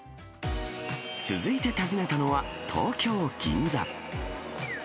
続いて訪ねたのは、東京・銀座。